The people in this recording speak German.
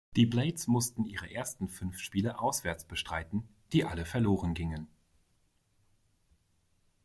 Die Blades mussten ihre ersten fünf Spiele auswärts bestreiten, die alle verloren gingen.